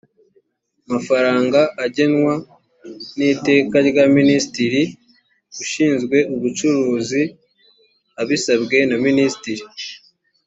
mafaranga ugenwa n iteka rya minisitiri ushinzwe ubucuruzi abisabwe na minisitiri